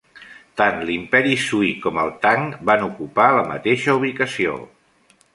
Tant l'imperi Sui com el Tang van ocupa la mateixa ubicació.